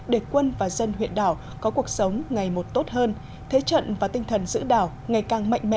để quân và dân huyện đảo có cuộc sống ngày một tốt hơn thế trận và tinh thần giữ đảo ngày càng mạnh mẽ